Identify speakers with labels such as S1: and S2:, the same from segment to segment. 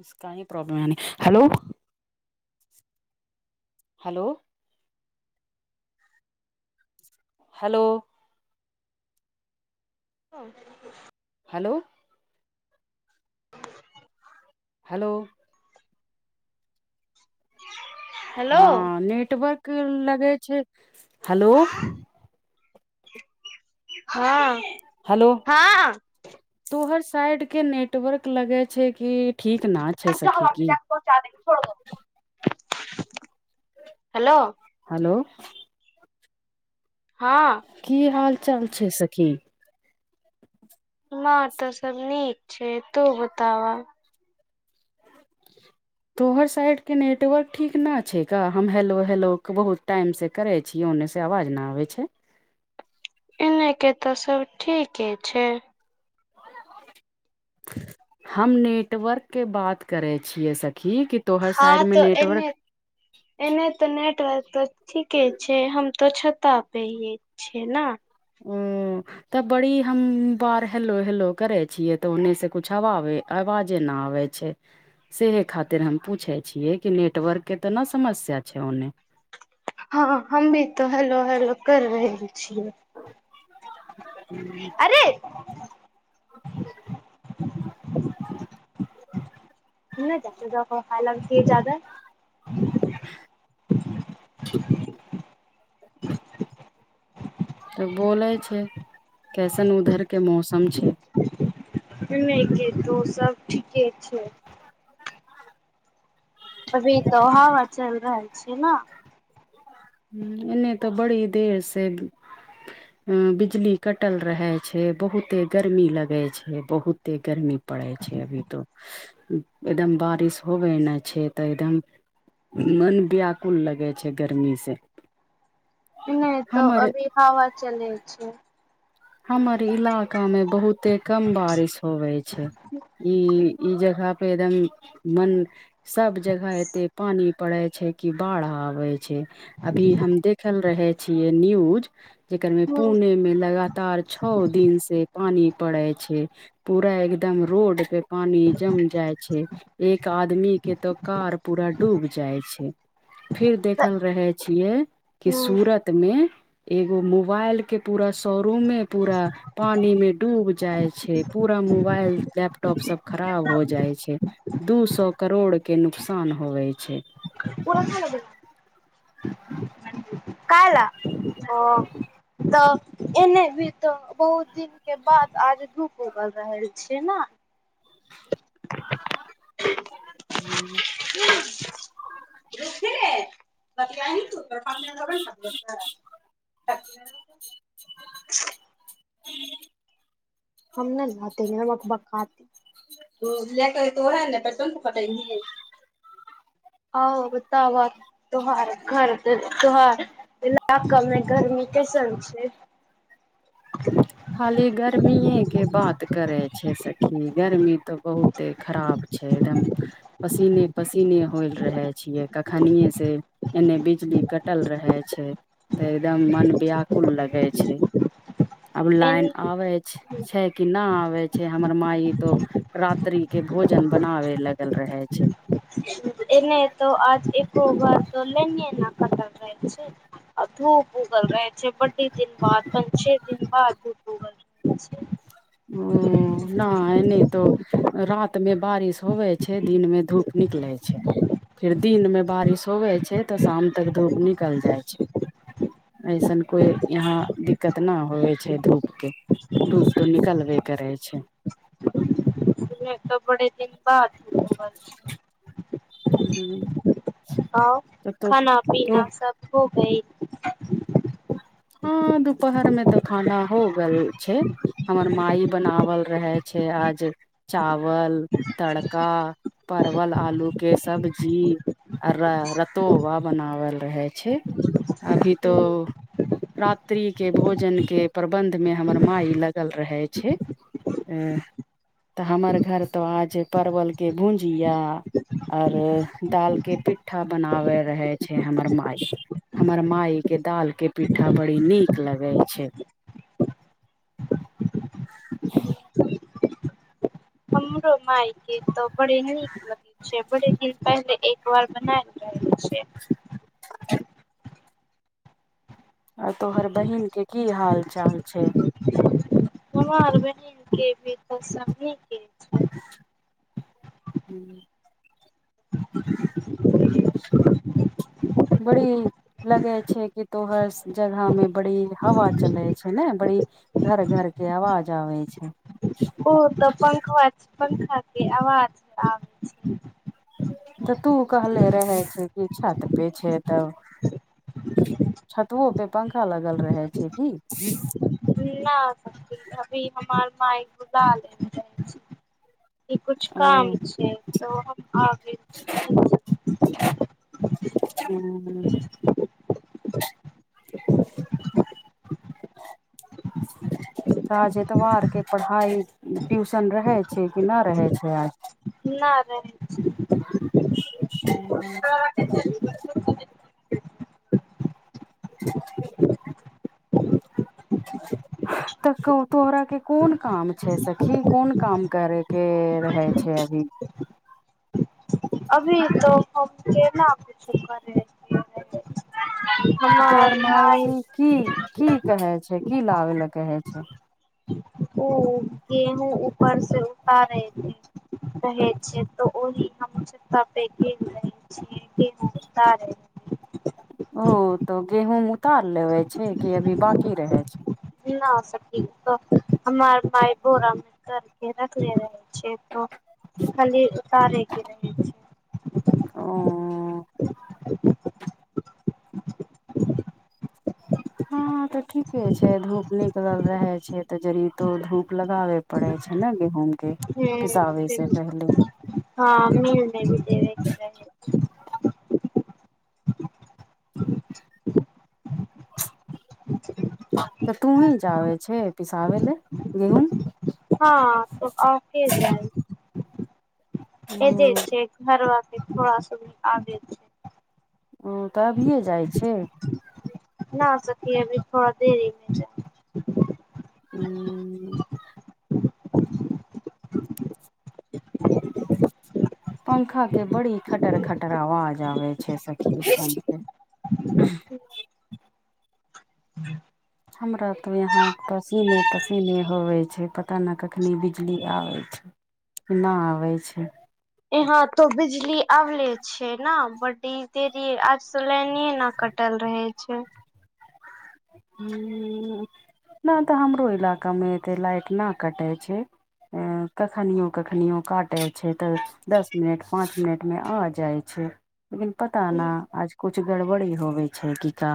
S1: उसका ही प्रॉब्लम है हेलो हेलो हेलो
S2: हुँ
S1: हेलो हेलो
S2: हेलो
S1: हँ नेटवर्क लगै छै हेलो
S2: हँ
S1: हेलो
S2: हँ
S1: तोहर साइड के नेटवर्क लगे छै की ठीक न छै छै सखी की
S2: पहुँचा द छोड़ हेलो
S1: हेलो
S2: हँ
S1: की हाल चाल छै सखी
S2: हमरा अर तऽ सब नीक छै तू बता बऽ
S1: तोहर साइड के नेटवर्क ठीक न छै का हम हेलो हेलो के बहुत टाइम से करे छीयै ओन्ने से आवाज न आबै छै
S2: एने के त सब ठीके छै
S1: हम नेटवर्क के बात करे छियै सखी कि तोहर साइड
S2: हँ
S1: मे
S2: तो एने
S1: नेटवर्क
S2: एने तऽ नेटवर्क तऽ ठीके छै हम तो छता पे हिये छिये न
S1: [unintelligible] तब बड़ी हम बार हेलो हेलो करे छियै तऽ ओन्ने से कुछ अबाबे आवाजे न आबे सेह खातिर हम पूछे छियै कि नेटवर्क के तऽ नऽ समस्या छै ओन्ने
S2: हँ हमभि तो हेलो हेलो कर रहल छियै
S1: [inaudible]
S2: अरे
S1: [inaudible]
S2: नहि जा खायइ की जादा
S1: [inaudible] तब बोले छै कैसन उधर के मौसम छै
S2: एने के तो सब ठीके छै अभी तऽ हाबा चलि रहल छियै न
S1: हुँ एने तऽ बड़ी देर से बिजली कटल रहे छै बहुते गर्मी लगै छै बहुत तेय गर्मी पड़े छै अभी तो एकदम बारिश होबे नऽ छै तऽ एकदम मन व्याकुल लगै छै गर्मी से
S2: एने तो
S1: हमर
S2: अभी हवा चलै छै
S1: हमर इलाका मे बहुते कम बारिश होवेय छै ई ई जगह परे एकदम मन सब जगह एते पानी पड़ै छै कि बाढ़ आबै छै अभी हम देखल रहे छियै न्यूज जेकर मे
S2: ह
S1: पुणे मे लगा तार छओ दिन से पानी पड़े छै पूरा एकदम रोड पे पानि जम जाइ छै एक आदमी के त कार पूरा डूब जाइ छै फिर देखल रहै छियै कि सूरत मे एगो मोबाइल के पूरा शोरूमे पूरा पानी मे डूब जाइ छै पूरा मोबाइल लैपटॉप सब खराब हो जाइ छै दू सौ करोड़ के नुकसान होबैय छै
S2: [unintelligible] काइ लऽ हँ तऽ एने भी तऽ बहुत दिनक के बाद आज धूख उगल रहल छै न
S1: हूँ
S2: [inaudible] [unintelligible] [unintelligible]
S1: [inaudible]
S2: [unintelligible] बताबह त्यहार घर त त्यहार इलाकामे गरमी कैसन छै
S1: खाली गर्मीए के बात करे छै सखी गर्मी तऽ बहुते खराब छै एकदम पसीने पसीने होल रहे छियै कखनिये से एने बिजली कटल रहे छै तऽ एकदम मन व्याकुल लगै छै आब लाइन
S2: एन
S1: आबै छै छै कि नहि आबे छै हमर मााय तो रात्रि के भोजन बनावे लगल रहे छै
S2: एने त आज एको बर लेन न कटल रहै छै आ धूप उगल रहे छै बडे दिन बाद प छे दिन बाद धूप उगल ब [unintelligible]
S1: ओ न एहिनतो रात मे बारिश होवे छै दिन में धूप निकले छै फिर दिन में बारिश होवे छै छै तऽ शाम तक धूप निकलि जाइ छै ऐसन कोई यहाँ दिक्कत न होइ छै धूप के धूप तो न कलबे करै छै
S2: त बड़े दिन बाद धुप उगल छै
S1: हूँ
S2: आ
S1: तऽ तो
S2: खाना
S1: तो
S2: पीना सब हो गईल
S1: हँ दुपहर में तऽ खाना हो गेल छै हमर माई बनावल रहै छै आज चावल तड़का परवल आलू के सब्जी आ र रतोबा बनावल रहै छै अभी तो
S2: गइल
S1: रात्रि के भोजन के प्रबन्ध मे हमर मााय लगल रहै छै आ तऽ हमर घर तऽ आज परवल के भूजिया आ और दाल के पिट्ठा बनावे रहे छै हमर मााय हमर मााय के दाल के पिठ्ठा बड़ी नीक लगै छै
S2: हमरो मााय के तो बड़े नीक लगे छै बड़े दिन पहिले ओ आर नय घर बनाय रहल छै
S1: ह [unintelligible] आ तोहर बहिन के की हाल चाल छै
S2: हमार बहिन के बे सनी के
S1: हूँ
S2: [inaudible] [unintelligible]
S1: बड़ी लगे छै कि तोहर जगह मे बड़ी हवा चलै छै ने बड़ी घर घरके अवाज आर्बे छै
S2: ओ तऽ पंखा पंखा के आवाज आ छै
S1: तऽ तू कहले रहे छै कि छत पेछे तब छतुओ पे पंखा लगल रहै छै की
S2: न सखी अभी हमर माय घुला ल छी ई किछु
S1: ओ
S2: काम छै तऽ हम आबै छी
S1: हँ
S2: [inaudible]
S1: ता जे एतवार के पढ़ाई ट्यूशन रहै छै कि नहि रहै छै आज
S2: ना रहै छै
S1: तऽ क तोहरा के कोन काम छै सखी कोन काम करे के रहे छै अभी
S2: अभी त हम केना पूछु कर [unintelligible]
S1: त तोहर मााय की की कहे छै की लाबे ल कहे छै
S2: ओ गेहूँ ऊपर से उतारे रहे कहे छ तऽ ओहि हम छत प रह छै त गेहूं उतारै ला
S1: ओ तऽ गेहूँम उतार लेबे छै कि अभी बाकी रहे छै
S2: न हो सकी हमार माय बोरा मे भरके रखनेे रहे छै छै त खाली उतारेके रहै छै
S1: ओ हँ तऽ ठीके छै धूप निकलल रहे छै ते जड़ी तो धूप लगाबे पड़ै छै न गेहूँम के पिसाबे से
S2: ह
S1: पहले
S2: हँ मील मे [unintelligible]
S1: तऽ तू ही जाबे छै पिसाबे लऽ गेहूँम
S2: हँ त और के जाइत ए जेे छै घरबाक के थड़ा समय [unintelligible]
S1: ओ तऽ अभिये जाइ छै
S2: न सखी अभी थोड़ा देरीमे जैब
S1: हुँ पंखा के बड़ी खटर खटर आवाज आबै छै सखी [unintelligible]
S2: [inaudible]
S1: हमरा तो यहा पसीने पसीने होवे छै पता न कखनी बिजली आबै छै ना आबै छै
S2: एहाँ त बिजली आवले छै न बडी देर जी आज स लाइने न कटल रहे छै
S1: [unintelligible] ना तऽ हमरो इलाका मे एते लाइट ना कटै छै ऐ कखनियो कखनियो काटै छै तऽ दस मिनट पाँच मिनट मे आ जाइ छै लेकिन पता न आज कुछ गड़बड़ी होबे छै की का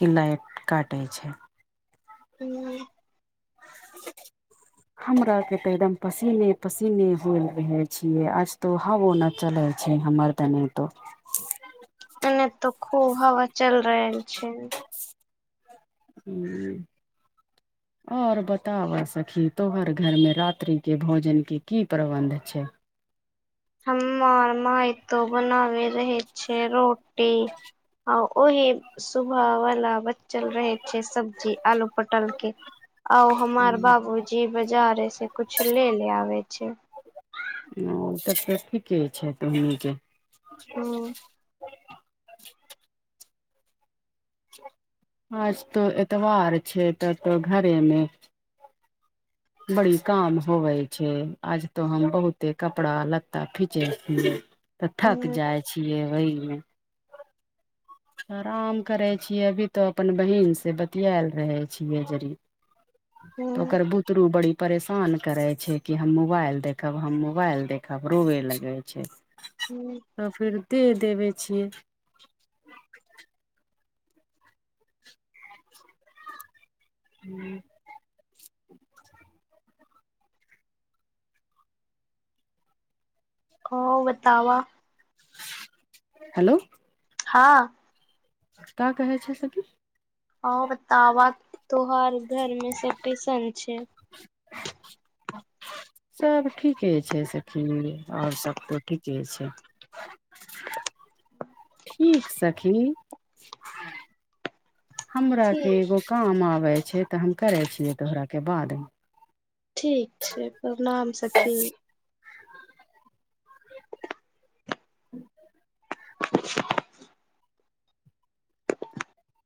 S1: की लाइट काटै छै
S2: हूँ
S1: [inaudible] हमरा के ते एकदम पसीने पसीने होल रहे छीये आज तो हवो न चलै छै हमर तनी तो
S2: एने तो खूब हवा चल रहल छै
S1: हुँ
S2: [inaudible]
S1: आओर बताबऽ सखी तोहर घरमे रात्रिके भोजनके की प्रबन्ध छै
S2: हमर माई तो बनावे रहे छै रोटी आउ ओहि सुबह वाला बचल रहे छै सब्जी आलू पटल के आउ हमार बाबूजी बाजारे से कुछ ले ले आबे छै
S1: ओ तब तऽ ठीके छै तोहनी केऽ
S2: हूँ
S1: आज तो एतबार छै तब तो घरेमे बड़ी काम होवै छै आज तो हम बहुते कपड़ा लत्ता खिचै छियै तऽ थक
S2: ह
S1: जाइ छियै ओहीमे
S2: [inaudible]
S1: आराम करै छियै अभी तो अपन बहिन से बतियाल रहे छियै जड़ि तऽ ओकर बु
S2: ह
S1: बुदरू बड़ी परेशान करे छै कि हम मोबाइल देखब हम मोबाइल देखब रोवे लगै छै
S2: हूँ
S1: तऽ फेरि दे देबे छियै [unintelligible]
S2: ओ बतावऽ
S1: हेलो
S2: हँ
S1: का कहै छ सखी
S2: आ बताब तोहार घर मे सब कैसन छै
S1: सब ठीके छै सखी ओर सबको ठीके छै ठीक सखी हमरा के
S2: ठीक
S1: एगो काम आबै छै तऽ हम करे छियै तोहरा के बादमे
S2: ठीक छै प्रणाम सखी
S1: [inaudible]
S2: [inaudible]